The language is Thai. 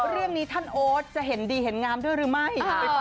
เรื่องนี้ท่านโอ๊ตจะเห็นดีเห็นงามด้วยหรือไม่